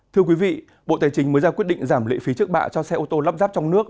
thưa quý vị bộ tài chính mới ra quyết định giảm lệ phí trước bạ cho xe ô tô lắp ráp trong nước